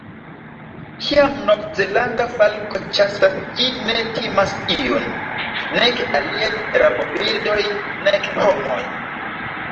Kiam Novzelanda falko ĉasas ĝi ne timas iun, nek aliajn rabobirdojn, nek homojn.